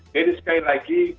jadi sekali lagi